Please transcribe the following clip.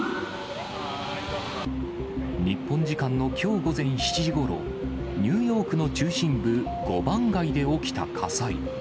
日本時間のきょう午前７時ごろ、ニューヨークの中心部、五番街で起きた火災。